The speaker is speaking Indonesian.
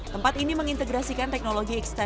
tempat ini mengintegrasikan teknologi ekstrim